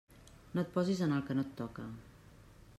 No et posis en el que no et toca.